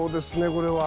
これは。